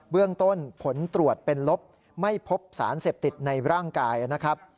เรื่องต้นผลตรวจเป็นลบไม่พบสารเสพติดในร่างกายนะครับ